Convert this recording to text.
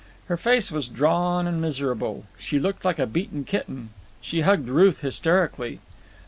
Her face was drawn and miserable. She looked like a beaten kitten. She hugged Ruth hysterically.